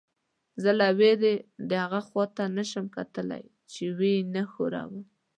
زه له وېرې دهغه خوا ته نه شم کتلی چې ویې نه ښوروم.